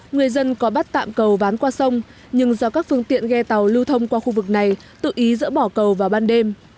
người dân có bắt tạm cầu ván qua sông nhưng do các phương tiện ghe tàu lưu thông qua khu vực này tự ý dỡ bỏ cầu vào ban đêm